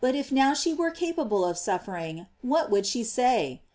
58S if now she were capable of suffering, what would she say?